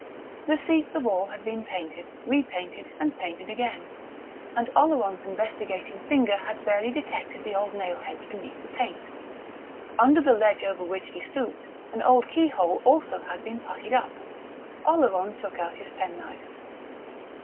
The seats of all had been painted, repainted, and painted again; and Oleron's investigating finger had barely detected the old nailheads beneath the paint. Under the ledge over which he stooped an old keyhole also had been puttied up. Oleron took out his penknife.